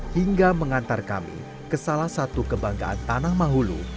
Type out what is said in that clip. hingga mengantar kami ke salah satu kebanggaan tanah mahulu